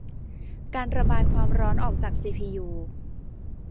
การระบายความร้อนออกจากซีพียู